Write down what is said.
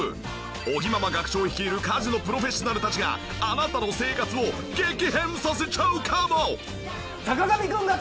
尾木ママ学長率いる家事のプロフェッショナルたちがあなたの生活を激変させちゃうかも！？